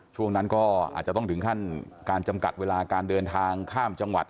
ช่วงนั้นก็อาจจะต้องถึงขั้นการจำกัดเวลาการเดินทางข้ามจังหวัด